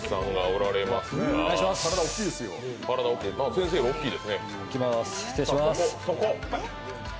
先生が大きいですね。